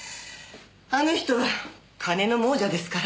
あの人は金の亡者ですから。